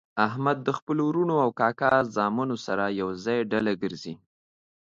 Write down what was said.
احمد د خپلو ورڼو او کاکا زامنو سره ېوځای ډله ګرځي.